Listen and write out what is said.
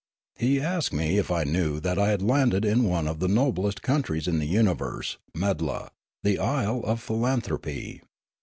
He asked me if I knew that I had landed in one of the noblest countries in the universe, Meddla, the Isle of Philan thropy.